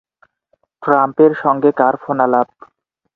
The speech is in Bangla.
ট্রাম্পের সঙ্গে কার ফোনালাপ?